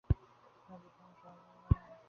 আমি তোমার আসল বাবা নই, জর্জিয়া।